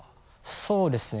そうですね